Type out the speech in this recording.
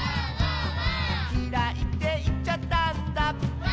「きらいっていっちゃったんだ」